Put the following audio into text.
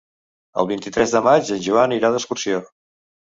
El vint-i-tres de maig en Joan irà d'excursió.